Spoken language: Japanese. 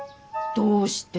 どうして？